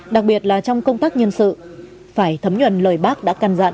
đặc biệt là trong công tác nhân sự phải thấm nhuận lời bác đã can dặn